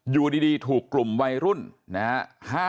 อยู่ดีถูกกลุ่มวัยรุ่นนะฮะ